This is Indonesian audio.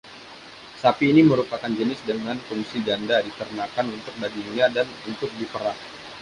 Sapi ini merupakan jenis dengan fungsi ganda, diternakkan untuk dagingnya dan untuk diperah.